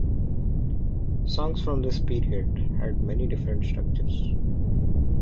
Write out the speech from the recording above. Songs from this period had many different structures.